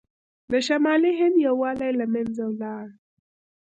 د شمالي هند یووالی له منځه لاړ.